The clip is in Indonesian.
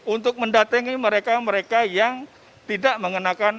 untuk mendatangi mereka mereka yang tidak mengenakan